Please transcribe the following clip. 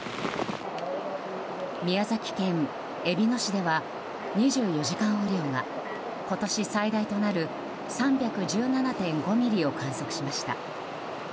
宮崎県えびの市では２４時間雨量が今年最大となる３１７．５ミリを観測しました。